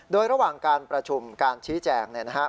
โดยระหว่างการประชุมการชี้แจง